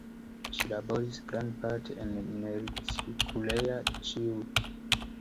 Ŝi laboris grandparte en Miercurea Ciuc.